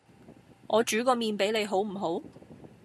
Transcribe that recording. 我煮個麵俾你好唔好？